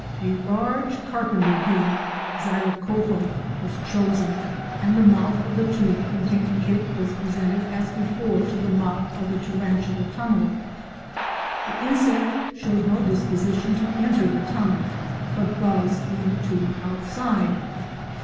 A large carpenter bee—Xylocopa—was chosen and the mouth of the tube containing it was presented as before to the mouth of the tarantula tunnel. The insect showed no disposition to enter the tunnel, but buzzed in the tube outside.